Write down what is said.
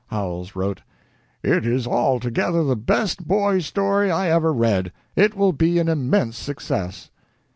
Howells wrote: "It is altogether the best boy's story I ever read. It will be an immense success."